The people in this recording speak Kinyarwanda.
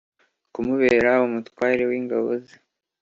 kumubera umutware w’ingabo ze